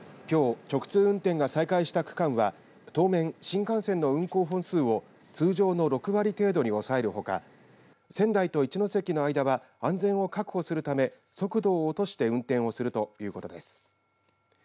きょう直通運転が再開した区間は当面、新幹線の運行本数を通常の６割程度に抑えるほか仙台と一ノ関の間は安全を確保するため速度を落として運転をするということです。